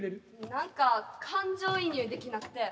何か感情移入できなくて。